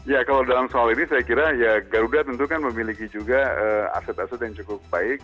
ya kalau dalam soal ini saya kira ya garuda tentu kan memiliki juga aset aset yang cukup baik